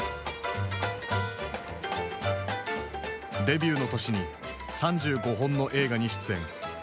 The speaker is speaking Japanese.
デビューの年に３５本の映画に出演。